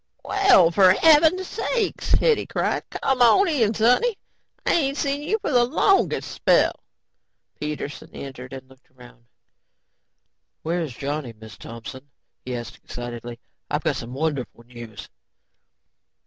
"Well, for heaven's sake," Hetty cried. "Come on in, sonny. I ain't seen you for the longest spell." Peterson entered and looked around. "Where's Johnny, Mrs. Thompson?" he asked excitedly. "I've got some wonderful news."